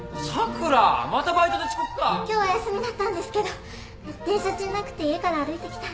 今日は休みだったんですけど電車賃なくて家から歩いてきたんで。